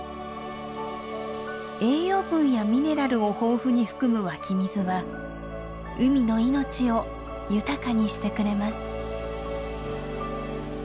栄養分やミネラルを豊富に含む湧き水は海の命を豊かにしてくれます。